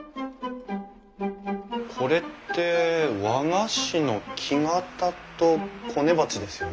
これって和菓子の木型とこね鉢ですよね？